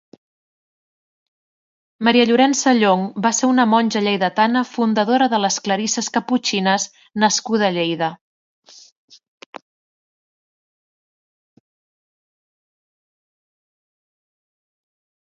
Maria Llorença Llong va ser una monja lleidatana fundadora de les clarisses caputxines nascuda a Lleida.